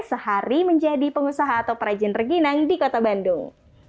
sehari menjadi pengusaha atau perajin reginang di kota bandung